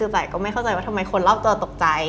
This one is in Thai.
แต่ก็ไม่เข้าใจว่าทำไมคนรอบตัวตกใจ